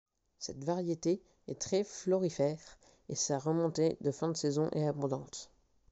Cette variété est très florifère et sa remontée de fin de saison est abondante.